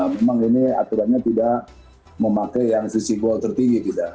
memang ini aturannya tidak memakai yang sisi bol tertinggi